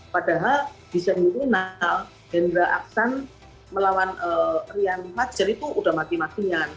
padahal di semifinal hendra aksan melawan rian fajar itu udah mati matian